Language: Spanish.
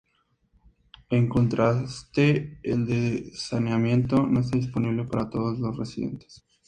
En contraste, el de saneamiento no está disponible para todos los residentes.